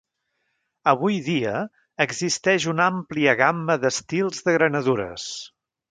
Avui dia existeix una àmplia gamma d'estils de granadures.